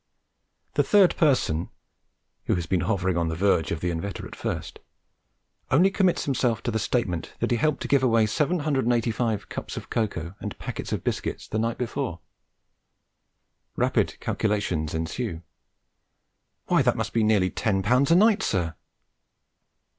The third person who has been hovering on the verge of the inveterate first only commits himself to the statement that he helped to give away 785 cups of cocoa and packets of biscuits the night before. Rapid calculations ensue. 'Why, that must be nearly ten pounds a night, sir?'